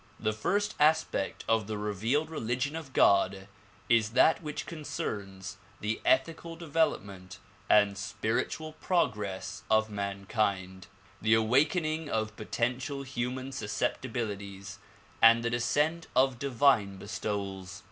The first aspect of the revealed religion of God is that which concerns the ethical development and spiritual progress of mankind, the awaken ing of potential human susceptibilities and the descent of divine bestowals.